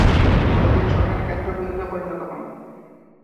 ফলে তিনি সরকারের কেন্দ্রবিন্দুতে পরিণত হন।